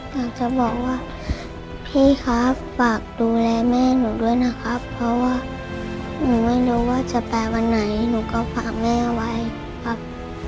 อยากจะบอกว่าพี่ครับฝากดูแลแม่หนูด้วยนะครับเพราะว่าหนูไม่รู้ว่าจะไปวันไหนหนูก็ฝากแม่ไว้ครับ